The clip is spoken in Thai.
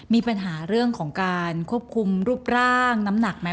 มีปัญหาเรื่องของการควบคุมรูปร่างน้ำหนักไหม